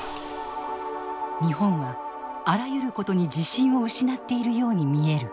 日本はあらゆることに自信を失っているように見える。